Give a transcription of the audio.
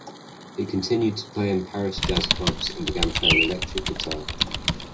He continued to play in Paris jazz clubs and began playing electric guitar.